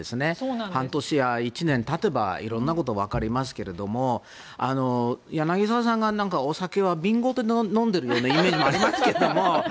半年や１年たてば色んなことがわかりますけど柳澤さんはお酒は瓶ごと飲んでるイメージもありますけども。